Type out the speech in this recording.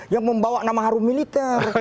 yang membawa nama harum militer